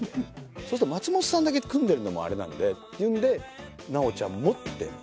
そうすると松本さんだけ組んでるのもあれなんでっていうんで直ちゃんもって。